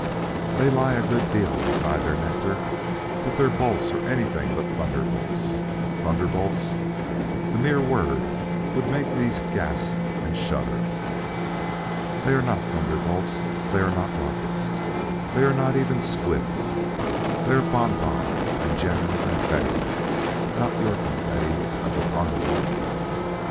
They lie a good deal beside their nectar; but their bolts are anything but thunderbolts. Thunderbolts! The mere word would make these gasp and shudder. They are not thunderbolts, they are not rockets, they are not even squibs; they are bonbons and genuine confetti, not your confetti of the Carnival.